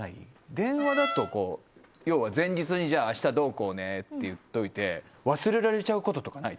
電話だと要は前日に「明日どうこうね」って言ってといて忘れられちゃうこととかない？